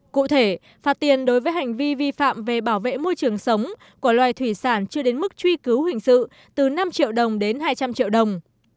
cụ thể phạt tiền đối với hành vi vi phạm về bảo vệ môi trường sống của loài thủy sản chưa đến mức truy cứu hình sự từ năm triệu đồng đến hai trăm linh triệu đồng